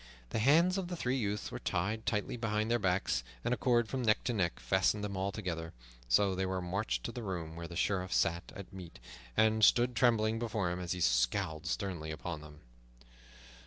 The hands of the three youths were tied tightly behind their backs, and a cord from neck to neck fastened them all together. So they were marched to the room where the Sheriff sat at meat, and stood trembling before him as he scowled sternly upon them.